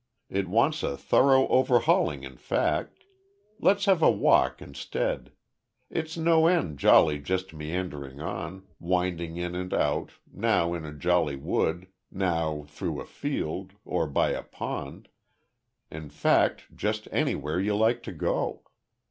It wants a thorough overhauling in fact. Let's have a walk instead. It's no end jolly just meandering on, winding in and out, now in a jolly wood now through a field, or by a pond in fact, just anywhere you like to go.